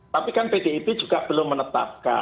tapi kan pdip juga belum menetapkan